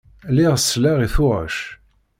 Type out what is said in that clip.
Lliɣ selleɣ i tuɣac.